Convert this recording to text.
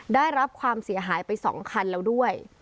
ได้รับความเสียหายไป๒คันแล้วด้วย